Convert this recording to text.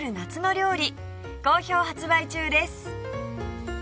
好評発売中です